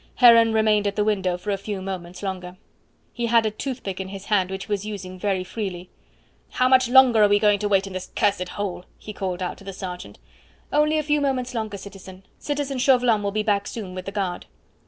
Heron remained at the window for a few moments longer; he had a toothpick in his hand which he was using very freely. "How much longer are we going to wait in this cursed hole?" he called out to the sergeant. "Only a few moments longer, citizen. Citizen Chauvelin will be back soon with the guard."